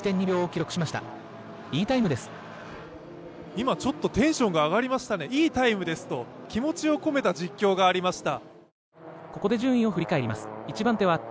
今ちょっとテンションが上がりましたね、いいタイムですと、気持ちを込めた実況がありました。